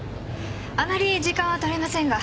あまり時間は取れませんが。